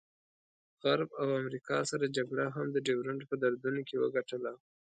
غرب او امریکا سړه جګړه هم د ډیورنډ په دردونو کې وګټله.